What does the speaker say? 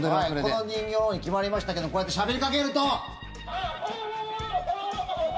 この人形に決まりましたけどこうやってしゃべりかけると！